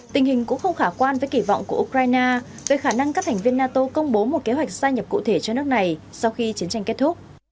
tình hình cũng không khả quan với kỳ vọng của ukraine về khả năng các thành viên nato công bố một kế hoạch gia nhập cụ thể cho nước này sau khi chiến tranh kết thúc